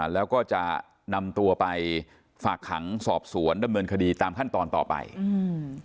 แล้วก็จะนำตัวไปฝากขังสอบสวนดำเนินคดีตามขั้นตอนต่อไปอืม